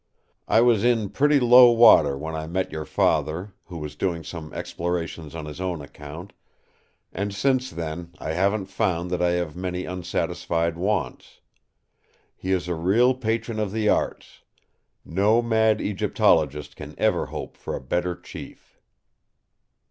I was in pretty low water when I met your Father, who was doing some explorations on his own account; and since then I haven't found that I have many unsatisfied wants. He is a real patron of the arts; no mad Egyptologist can ever hope for a better chief!"